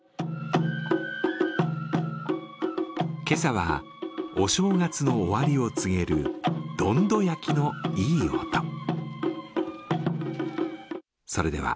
今朝はお正月の終わりを告げるどんど焼きのいい音。